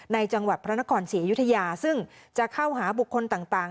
จังหวัดพระนครศรีอยุธยาซึ่งจะเข้าหาบุคคลต่าง